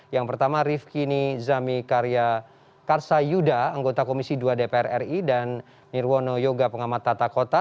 yang pertama rifki nizami karya karsa yuda anggota komisi dua dpr ri dan nirwono yoga pengamat tata kota